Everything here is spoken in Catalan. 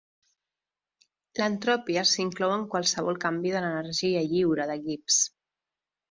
L'entropia s'inclou en qualsevol canvi de l'energia lliure de Gibbs.